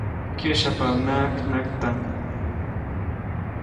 Kyäsyapaʼuŋnaʼak najktaʼm.